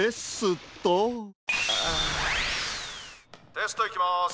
「テストいきます」。